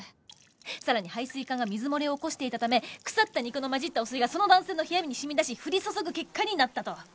さらに排水管が水漏れを起こしていたため腐った肉の混じった汚水がその男性の部屋に染み出し降り注ぐ結果になったと。